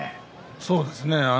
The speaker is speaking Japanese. そうですね。